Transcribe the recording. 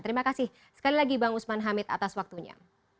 terima kasih sekali lagi bang usman hamid atas waktunya